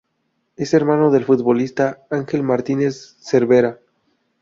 Es hermano del futbolista Ángel Martínez Cervera.